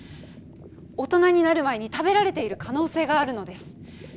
大人になる前に食べられている可能性があるのです。